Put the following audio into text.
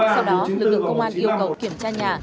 sau đó lực lượng công an yêu cầu kiểm tra nhà